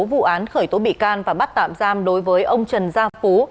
vụ án khởi tố bị can và bắt tạm giam đối với ông trần gia phú